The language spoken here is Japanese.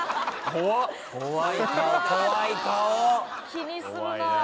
気にするなぁ。